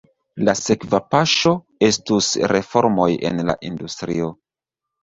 La sekva paŝo estus reformoj en la industrio.